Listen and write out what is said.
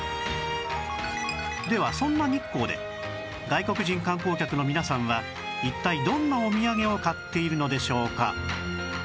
ではそんな日光で外国人観光客の皆さんは一体どんなおみやげを買っているのでしょうか？